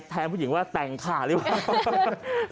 แทงผู้หญิงว่าแต่งค่ะหรือว่า